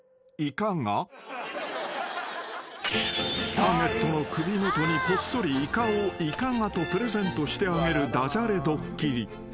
［ターゲットの首元にこっそり「イカをいかが？」とプレゼントしてあげるダジャレドッキリ］